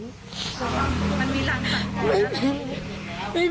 มันมีรังสักหน้าเลย